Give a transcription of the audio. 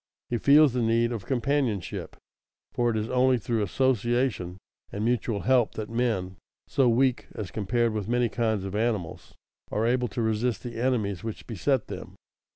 He feels the need of companionship, for it is only through association and mutual help that men, so weak as compared with many kinds of animals, are able to resist the enemies which beset them.